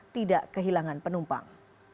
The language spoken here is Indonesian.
tidak kehilangan penumpang